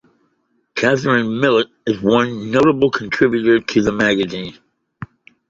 Catherine Millet is one notable contributor to the magazine.